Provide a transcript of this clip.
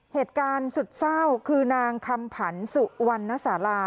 เหตุการณ์สุดเศร้าคือนางคำผันสุวรรณสารา